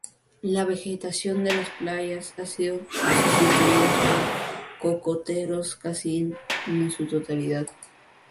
La vegetación de las playas ha sido sustituida por cocoteros casi en su totalidad.